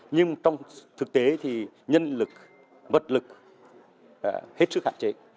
nhưng trong thực tế thì nhân lực vật lực hết sức hạn chế